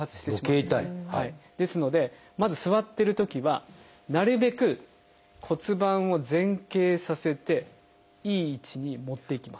よけい痛い？ですのでまず座ってるときはなるべく骨盤を前傾させていい位置に持っていきます。